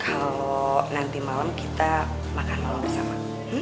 kalau nanti malem kita makan malem bersama